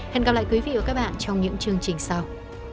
hẹn gặp lại quý vị và các bạn trong những chương trình sau